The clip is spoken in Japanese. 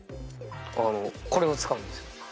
これを使うんですよ。